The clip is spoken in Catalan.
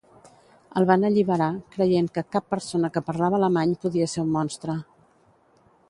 El van alliberar, creient que "cap persona que parlava alemany podia ser un monstre".